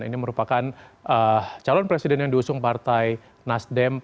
ini merupakan calon presiden yang diusung partai nasdem